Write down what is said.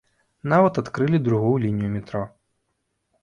Нават адкрылі другую лінію метро.